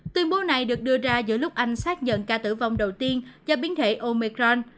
tuyên bố này được đưa ra giữa lúc anh xác nhận ca tử vong đầu tiên do biến thể omecran